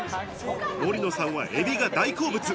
森野さんはエビが大好物！